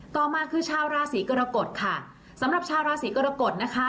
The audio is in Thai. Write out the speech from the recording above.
ต่อมาคือชาวราศีกรกฎค่ะสำหรับชาวราศีกรกฎนะคะ